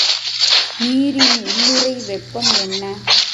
நீரின் உள்ளுறை வெப்பம் என்ன?